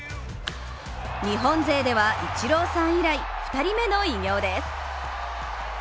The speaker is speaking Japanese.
日本勢ではイチローさん以来、２人目の偉業です。